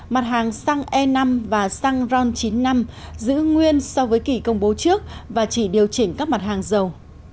mặt hàng xăng e năm và xăng ron chín mươi năm giữ nguyên so với kỷ công bố trước và chỉ điều chỉnh các mặt hàng dầu